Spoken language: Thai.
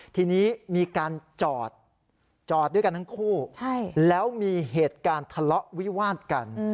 ทีนี้มีการจอดจอดด้วยกันทั้งคู่แล้วมีเหตุการณ์ทะเลาะวิวาดกัน